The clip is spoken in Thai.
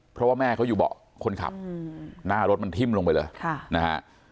เพราะว่าแม่เขาอยู่เบาะคนขับหน้ารถมันทิ้มลงไปเลยนะฮะ